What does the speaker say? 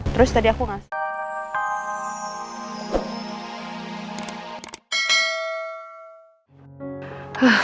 terus tadi aku ngasih